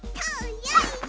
よいしょ！